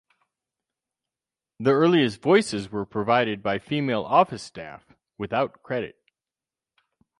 The earliest voices were provided by female office staff, without credit.